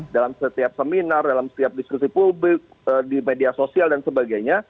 dalam setiap seminar dalam setiap diskusi publik di media sosial dan sebagainya